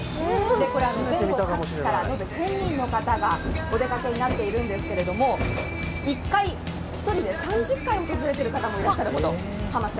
これ全国各地から１０００人の方がお出かけになっているんですけど１人で３０回訪れている方もいらっしゃるんです。